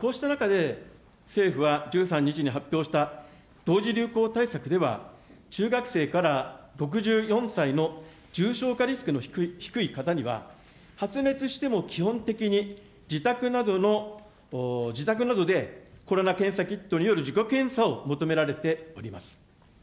こうした中で、政府は１３日に発表した、同時流行対策では中学生から６４歳の重症化リスクの低い方には、発熱しても基本的に自宅などの、自宅などでコロナ検査キットによる自己検査を求められております。